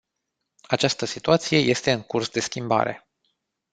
Această situație este în curs de schimbare.